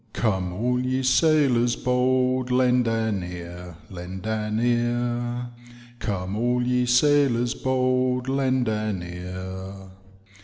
<* Come aU ye sailors bold, Lend an ear, lend an ear ; Gome, all ye sailors bold, Lend an ear.